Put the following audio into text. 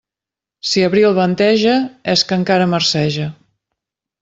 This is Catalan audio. Si l'abril venteja, és que encara marceja.